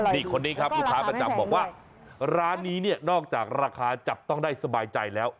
นี่คนนี้ครับลูกค้าประจำบอกว่าร้านนี้เนี่ยนอกจากราคาจับต้องได้สบายใจแล้ว